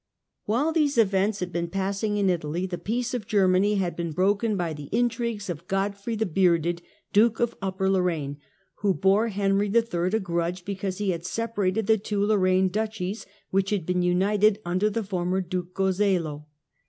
While these events had been passing in Italy, the peace of Germany had been broken by the intrigues of Godfrey the Bearded, . Duke of Upper Lorraine, who bore Henry III. a grudge because he had separated the two Lorraine duchies, which had been united under the former Duke Gozelo.